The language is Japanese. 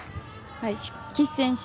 岸選手